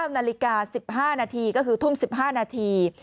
๙นาฬิกา๑๕นาทีก็คือทุ่ม๑๕นาที